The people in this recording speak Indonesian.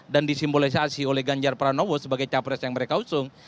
dan disimulisasi oleh ganjar pranowo sebagai capres yang mereka usung